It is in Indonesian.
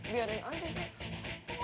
biarin aja sih